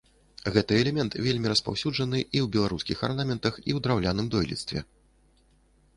Гэты элемент вельмі распаўсюджаны і ў беларускіх арнаментах, і ў драўляным дойлідстве.